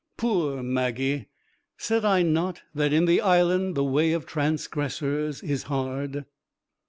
Poor Maggie! Said I not that in the Island the way of transgressors is hard?